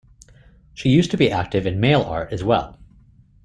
She used to be active in mail art as well.